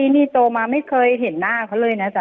นี่โตมาไม่เคยเห็นหน้าเขาเลยนะจ๊